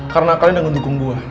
karena kalian udah ngedukung gue